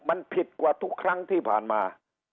มันผิดกว่าทุกครั้งที่ผ่านมา